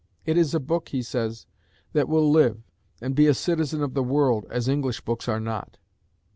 "It is a book," he says, "that will live, and be a citizen of the world, as English books are not."